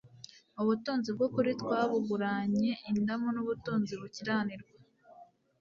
ubutunzi bw'ukuri twabuguranye indamu n' ubutunzi bukiranirwa